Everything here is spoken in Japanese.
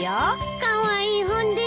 カワイイ本です。